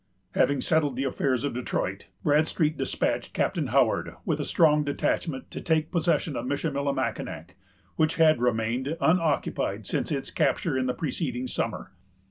Having settled the affairs of Detroit, Bradstreet despatched Captain Howard, with a strong detachment, to take possession of Michillimackinac, which had remained unoccupied since its capture in the preceding summer.